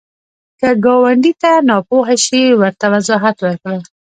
که ګاونډي ته ناپوهه شي، ورته وضاحت ورکړه